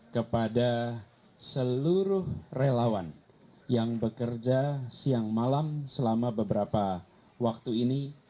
kepada seluruh relawan yang bekerja siang malam selama beberapa waktu ini